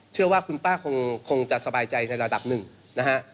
เชื่อว่าคุณป้าคงจะสบายใจในระดับหนึ่งนะฮะ